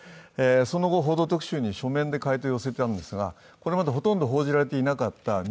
その後、「報道特集」に書面で回答を寄せたんですが、これまでほとんど報じられていなかった